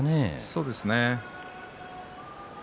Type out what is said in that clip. そうですね。